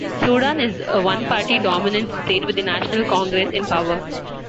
Sudan is a one party dominant state with the National Congress in power.